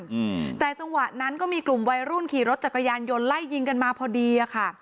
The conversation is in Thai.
อืมแต่จังหวะนั้นก็มีกลุ่มวัยรุ่นขี่รถจักรยานยนต์ไล่ยิงกันมาพอดีอ่ะค่ะ